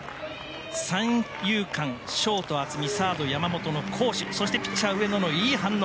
三遊間ショート、渥美サード、山本の好守そしてピッチャー、上野のいい反応。